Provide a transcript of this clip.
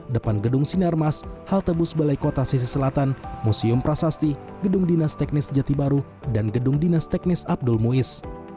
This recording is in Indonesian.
depan gedung sinarmas halte bus balai kota sisi selatan museum prasasti gedung dinas teknis jati baru dan gedung dinas teknis abdul muiz